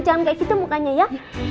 jangan kayak gitu mukanya ya